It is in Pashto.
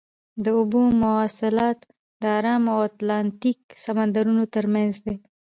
د اوبو مواصلات د ارام او اتلانتیک سمندرونو ترمنځ دي.